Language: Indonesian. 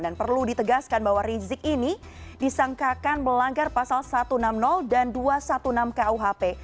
dan perlu ditegaskan bahwa rizik ini disangkakan melanggar pasal satu ratus enam puluh dan dua ratus enam belas kuhp